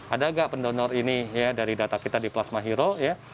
ada nggak pendonor ini ya dari data kita di plasma hero ya